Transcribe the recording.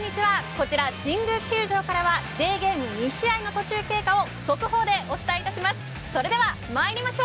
こちら神宮球場からはデーゲーム２試合の途中経過を速報でお伝えします。